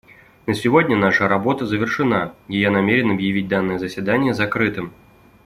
На сегодня наша работа завершена, и я намерен объявить данное заседание закрытым.